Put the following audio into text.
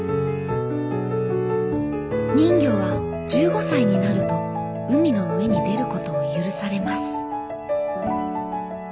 人魚は１５歳になると海の上に出ることを許されます。